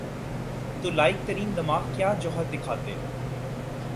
تو لائق ترین دماغ کیا جوہر دکھاتے؟